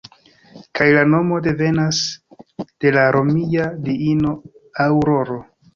Kaj la nomo devenas de la romia diino Aŭroro.